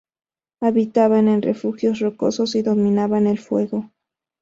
Habitaban en refugios rocosos y dominaban el fuego.